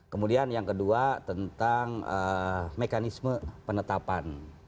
kemudian yang kedua tentang mekanisme penetapan